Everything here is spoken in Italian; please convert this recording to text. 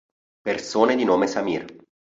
Persone di nome Samir